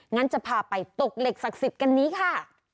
งั้นจะพาไปตกเหล็กศักดิ์สิทธิ์กันนี้ค่ะ